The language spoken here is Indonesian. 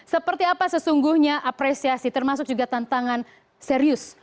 seperti apa sesungguhnya apresiasi termasuk juga tantangan serius